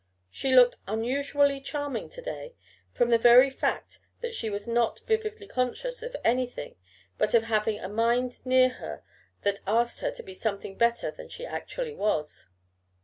She looked unusually charming to day, from the very fact that she was not vividly conscious of anything but of having a mind near her that asked her to be something better than she actually was.